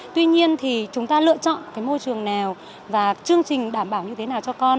tuy nhiên thì chúng ta lựa chọn cái môi trường nào và chương trình đảm bảo như thế nào cho con